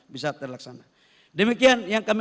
bisa terlaksana demikian yang kami